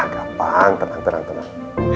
gampang tenang tenang